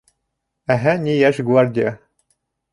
— Әһә, ни, «Йәш гвардия».